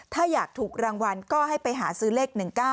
ถ้าอยากถูกรางวัลก็ให้ไปหาซื้อเลข๑๙